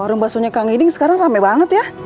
warung baksonya kang iding sekarang rame banget ya